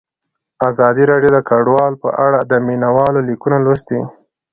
ازادي راډیو د کډوال په اړه د مینه والو لیکونه لوستي.